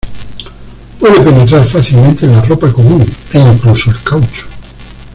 Puede penetrar fácilmente en la ropa común, e incluso el caucho.